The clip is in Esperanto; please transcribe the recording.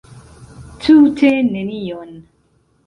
Tute nenion.